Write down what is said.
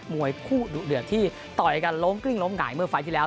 โมยคู่ดุเหลือที่ต่อยกันล้มกริ้งล้มหง่ายเมื่อฝ่ายทีแล้ว